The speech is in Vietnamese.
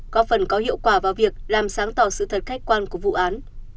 có phần có hiệu quả vào việc làm sáng tỏ sự thật khách quan của vụ án